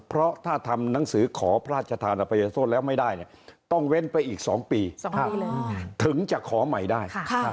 เพราะถ้าทำหนังสือขอพระราชทานอภัยโทษแล้วไม่ได้ต้องเว้นไปอีก๒ปีถึงจะขอใหม่ได้